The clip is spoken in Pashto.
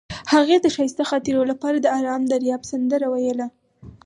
هغې د ښایسته خاطرو لپاره د آرام دریاب سندره ویله.